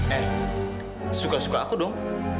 eh suka suka aku dong